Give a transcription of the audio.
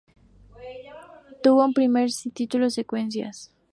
Tuvo un primer título de "Secuencias".